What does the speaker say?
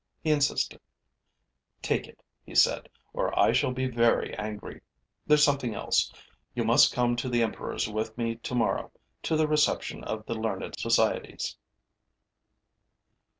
He insisted: 'Take it,' he said, 'or I shall be very angry. There's something else: you must come to the emperor's with me tomorrow, to the reception of the learned societies.'